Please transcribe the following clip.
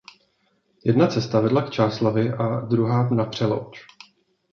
Jedna cesta vedla k Čáslavi a druhá na Přelouč.